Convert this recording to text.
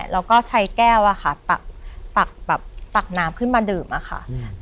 แล้วก็ใช้แก้วอะค่ะตักแบบตักน้ำขึ้นมาดื่มอะค่ะ